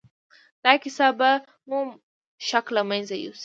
دا کيسه به مو شک له منځه يوسي.